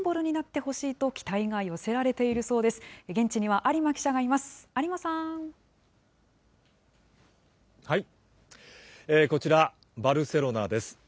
こちら、バルセロナです。